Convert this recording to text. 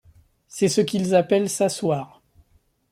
C’est ce qu’ils appellent s’asseoir.